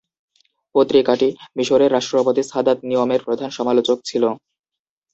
পত্রিকাটি মিশরের রাষ্ট্রপতি সাদাত নিয়মের প্রধান সমালোচক ছিল।